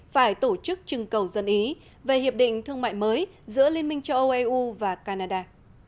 phải tổ chức chưng cầu dân ý về hiệp định thương mại mới giữa liên minh châu âu eu và canada